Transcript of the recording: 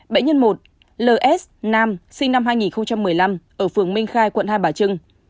bệnh nhân một ls nam sinh năm hai nghìn một mươi năm ở phường minh khai quận hai bà trưng